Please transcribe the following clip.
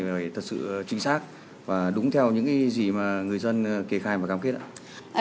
để thật sự chính xác và đúng theo những gì mà người dân kê khai và cảm kết ạ